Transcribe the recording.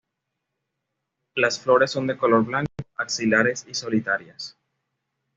Las flores son de color blanco, axilares y solitarias.